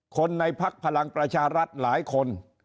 คนในพักพลังประชารัฐหลายคน